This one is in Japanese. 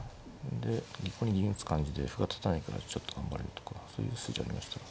でここに銀打つ感じで歩が立たないからちょっと頑張れるとかそういう筋ありましたか。